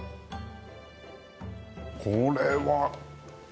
これは。